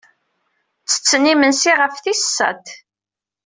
Ttetten imensi ɣef tis sat.